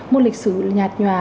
môn lịch sử nhạt nhòa